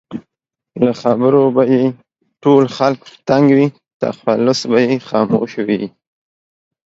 له خبرو به یې ټول خلک په تنګ وي؛ تخلص به یې خاموش وي